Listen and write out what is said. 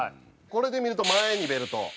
これで見ると前にベルト。